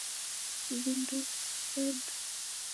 Vindo vedu